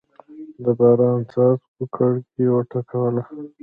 د باران څاڅکو کړکۍ وټکوله.